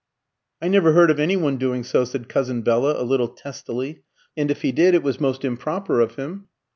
"I never heard of any one doing so," said Cousin Bella, a little testily; "and if he did, it was most improper of him."